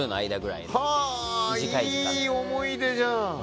いい思い出じゃん。